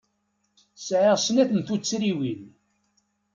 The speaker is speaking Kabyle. Sɛiɣ snat n tuttriwin.